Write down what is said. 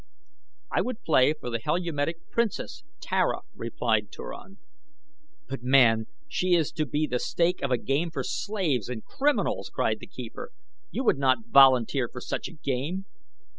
"I would play for the Heliumetic princess, Tara," replied Turan. "But man, she is to be the stake of a game for slaves and criminals," cried the keeper. "You would not volunteer for such a game!"